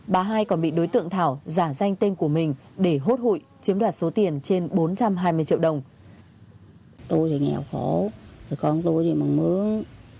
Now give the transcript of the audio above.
bà hai còn bị đối tượng thảo giả danh tên của mình để hốt hụi chiếm đoạt số tiền trên bốn trăm hai mươi triệu đồng